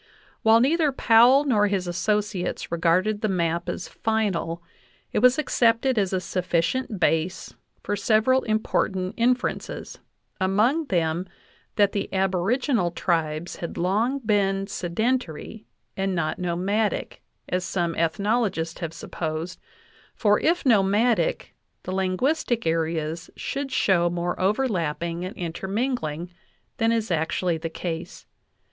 While neither Powell nor his associates regarded the map as final, it was accepted as a sufficient base for several important inferences, among them that the aboriginal tribes had long been sedentary and not no madic, as some ethnologists have supposed, for if nomadic the linguistic areas should show more overlapping and interming ling than is actually the case.